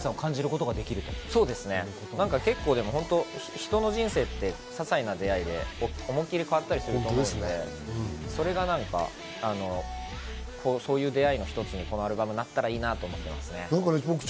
人の人生って、ささいな出会いで思い切り変わったりすると思うんで、そういう出会いの一つにこのアルバムがなったらいいなと思いますね。